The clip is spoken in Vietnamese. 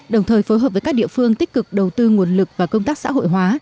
đồng thời phối hợp với các địa phương tích cực đầu tư nguồn lực và công tác xã hội hóa